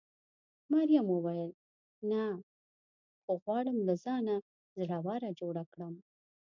مريم وویل: نه، خو غواړم له ځانه زړوره جوړه کړم.